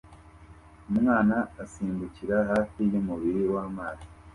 Umwana asimbukira hafi yumubiri wamazi